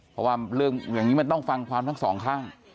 เพราะว่าเรื่องอย่างนี้มันต้องฟังความทั้งสองข้าง